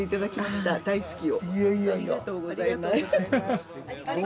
ありがとうございます。